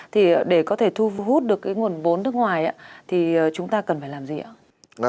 thì để có thể thu hút được cái nguồn vốn nước ngoài thì chúng ta cần phải làm gì ạ